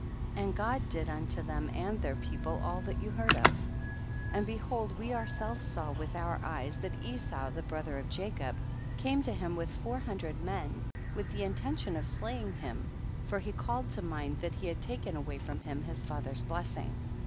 and (xod did unto them and their people all that you heard of. 14. And behold, we ourselves saw with our eyes that Esau, the brother of Jacob, came to him with four hundred men, with the intention of slaying him, for he called to mind that he had taken away from him his father's blessing.